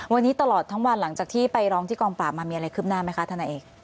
วันนี้ตลอดทั้งวันหลังจากที่ไปร้องที่กองปราบมามีอะไรคืบหน้าไหมคะธนาเอก